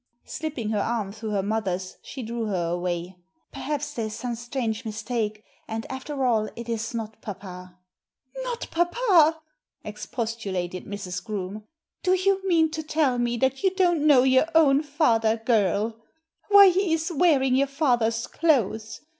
Slipping her arm through her mother's, she drew her away. •'Per haps there is some strange mistake, and, after all, it is not papa." Digitized by VjOOQIC A DOUBLE MINDED GENTLEMAN 243 "Not papa!" expostulated Mrs. Groome. "Do you mean to tell me that you don't know your own father, girl ! Why, he is wearing your father's clothes